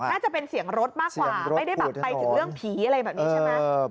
น่าจะเป็นเสียงรถมากกว่าไม่ได้แบบไปถึงเรื่องผีอะไรแบบนี้ใช่ไหม